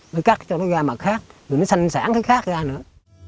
nó cắt cho nó ra mặt khác rồi nó sanh sản cái khác ra nữa